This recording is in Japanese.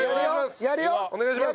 はいお願いします！